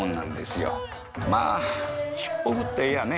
まあしっぽくっていやぁね